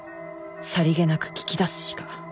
さりげなく聞き出すしか